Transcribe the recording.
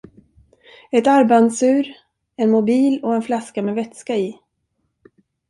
Ett armbandsur, en mobil och en flaska med vätska i.